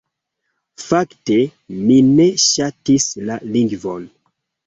Fakte, mi ne ŝatis la lingvon.